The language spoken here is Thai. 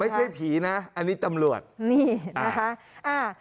ไม่ใช่ผีนะอันนี้ตำรวจนี่นะคะอ่า